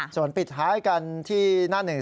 ส่วนปิดท้ายกันที่หน้าหนึ่ง